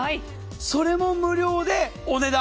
それも無料でお値段。